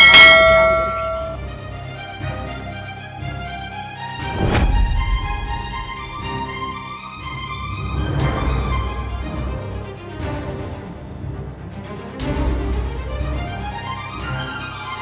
aku rasa lebah panjang menuju kami dari sini